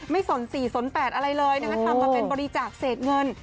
สน๔สน๘อะไรเลยนะคะทำมาเป็นบริจาคเศษเงิน